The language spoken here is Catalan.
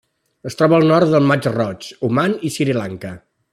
Es troba al nord del Mar Roig, Oman i Sri Lanka.